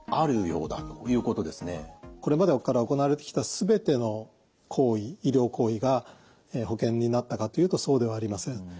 これまで行われてきた全ての医療行為が保険になったかというとそうではありません。